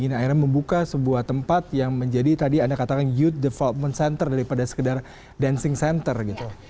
nah akhirnya membuka sebuah tempat yang menjadi tadi anda katakan youth development center daripada sekedar dancing center gitu